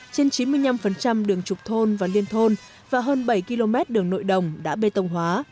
trên chín mươi năm đường trục thôn và liên thôn và hơn bảy km đường nội đồng đã bê tông hóa